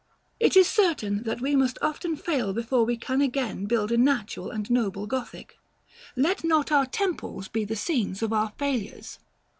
It is certain that we must often fail before we can again build a natural and noble Gothic: let not our temples be the scenes of our failures.